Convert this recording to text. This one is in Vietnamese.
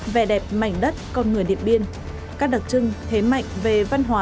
vẻ đẹp mảnh đất con người điện biên các đặc trưng thế mạnh về văn hóa